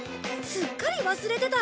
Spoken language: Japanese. すっかり忘れてた！